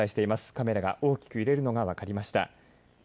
カメラが大きく揺れるのが分かりました。